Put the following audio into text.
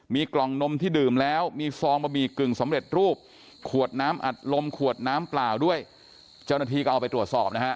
มีกล่องนมที่ดื่มแล้วมีซองบะหมี่กึ่งสำเร็จรูปขวดน้ำอัดลมขวดน้ำเปล่าด้วยเจ้าหน้าที่ก็เอาไปตรวจสอบนะฮะ